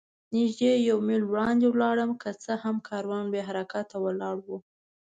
نږدې یو میل وړاندې ولاړم، که څه هم کاروان بې حرکته ولاړ و.